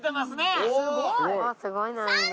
すごい！